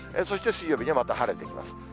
そして水曜日にまた晴れてきます。